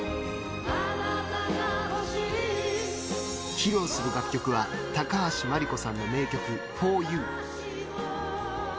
披露する楽曲は高橋真梨子さんの名曲「ｆｏｒｙｏｕ」